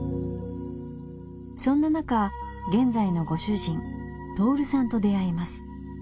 そんななか現在のご主人達さんと出会います。